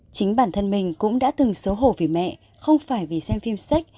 chính bản thân mình cũng đã từng xấu hổ vì mẹ không phải vì xem phim sách